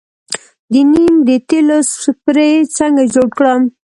د نیم د تیلو سپری څنګه جوړ کړم؟